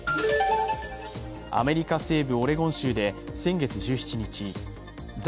アメリカ西部オレゴン州で先月１７日在